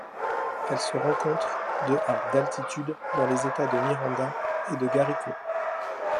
Elle se rencontre de à d'altitude dans les États de Miranda et de Guárico.